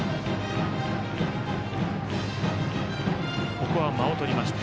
ここは間をとりました。